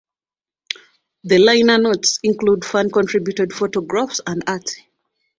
The liner notes include fan-contributed photographs and art.